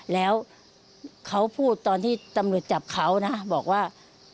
แล้วเขาพูดตอนที่ตำรวจจับเขานะบอกว่า